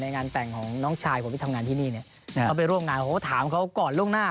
ในงานแต่งของน้องชายผมทำงานที่นี่เนี้ยนะฮะเขาไปร่วมงานเค้ากดลงหน้า